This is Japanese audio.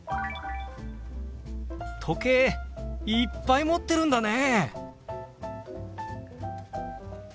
「時計いっぱい持ってるんだね！」。